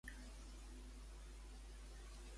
Com va reaccionar Crotop?